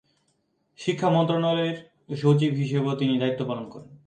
শিক্ষা মন্ত্রণালয়ের সচিব হিসেবেও তিনি দায়িত্ব পালন করেন।